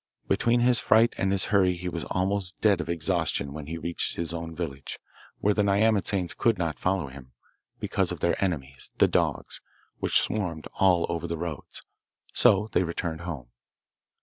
Between his fright and his hurry he was almost dead of exhaustion when he reached his own village, where the nyamatsanes could not follow him, because of their enemies the dogs, which swarmed over all the roads. So they returned home.